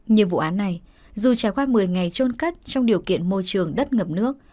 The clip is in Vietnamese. như vụ án này dù trải qua một mươi ngày trôn cất trong điều kiện môi trường đất ngập nước